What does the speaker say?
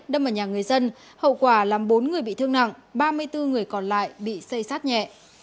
đâm vào nhà người dân hậu quả làm bốn người bị thương nặng ba mươi bốn người còn lại bị xây sát nhẹ